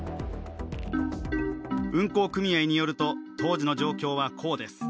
運航組合によると当時の状況はこうです。